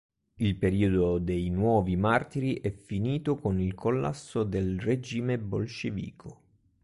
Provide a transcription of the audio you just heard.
Il periodo dei "nuovi martiri" è finito con il collasso del regime bolscevico.